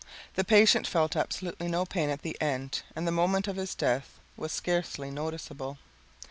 The patient felt absolutely no pain at the end and the moment of his death was scarcely noticeable.